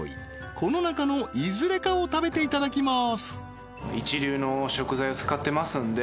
この中のいずれかを食べていただきます